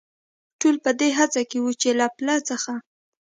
ټول په دې هڅه کې و، چې له پله څخه.